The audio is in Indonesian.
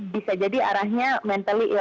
bisa jadi arahnya mentally ill